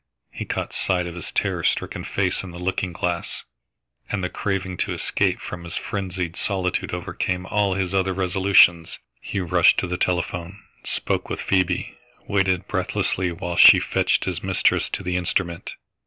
He caught sight of his terror stricken face in the looking glass, and the craving to escape from his frenzied solitude overcame all his other resolutions. He rushed to the telephone, spoke with Phoebe, waited breathlessly whilst she fetched his mistress to the instrument.